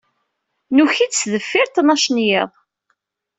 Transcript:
Nuki-d sdeffir ttnac n yiḍ.